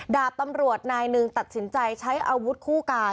ดาบตำรวจนายหนึ่งตัดสินใจใช้อาวุธคู่กาย